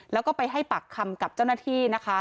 แล้วก็ไปให้ปากคำกับเจ้าหน้าที่นะคะ